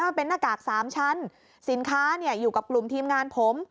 มันเป็นหน้ากาก๓ชั้นสินค้าอยู่กับกลุ่มทีมงานผม